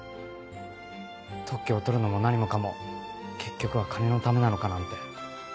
特許を取るのも何もかも結局は金のためなのかなんて。